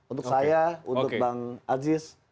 untuk saya untuk bang aziz